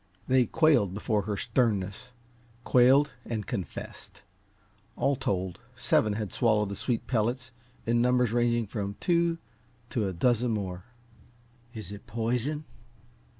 They quailed before her sternness quailed and confessed. All told, seven had swallowed the sweet pellets, in numbers ranging from two to a dozen more. "Is it poison?"